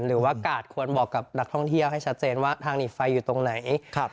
หรือว่ากาดควรบอกกับนักท่องเที่ยวให้ชัดเจนว่าทางหนีบไฟอยู่ตรงไหน